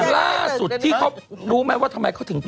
ล่าสุดที่เขารู้ไหมว่าทำไมเขาถึง